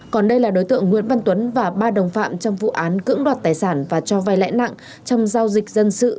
còn đây là đối tượng nguyễn văn tuấn và ba đồng phạm trong vụ án cưỡng đoạt tài sản và cho vai lãi nặng trong giao dịch dân sự